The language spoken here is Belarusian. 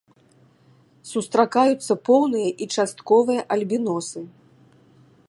Сустракаюцца поўныя і частковыя альбіносы.